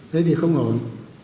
đấy thì không ổn